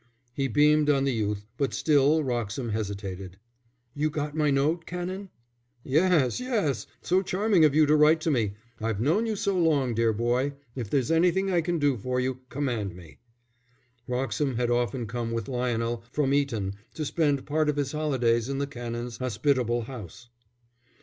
He beamed on the youth, but still Wroxham hesitated. "You got my note, Canon?" "Yes, yes. So charming of you to write to me. I've known you so long, dear boy if there's anything I can do for you, command me." Wroxham had often come with Lionel from Eton to spend part of his holidays in the Canon's hospitable house.